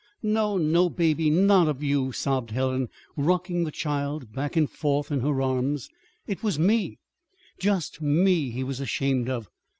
"No, no, Baby, not of you," sobbed Helen, rocking the child back and forth in her arms. "It was me just me he was ashamed of.